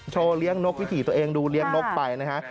เลี้ยงนกวิถีตัวเองดูเลี้ยงนกไปนะฮะ